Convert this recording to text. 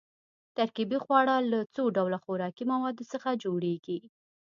ترکیبي خواړه له څو ډوله خوراکي موادو څخه جوړیږي.